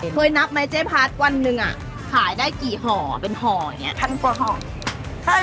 เคยนับไหมเจ๊พัดวันหนึ่งอ่ะขายได้กี่ห่อเป็นห่ออย่างนี้พันกว่าห่อ